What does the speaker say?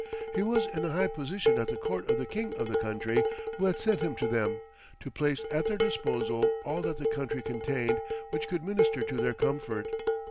He was in a high position at the court of the king of the country, who had sent him to them, to place at their disposal all that the country contained which could minister to their comfort.